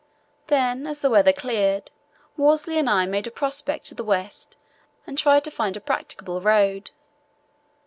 Then, as the weather cleared, Worsley and I made a prospect to the west and tried to find a practicable road.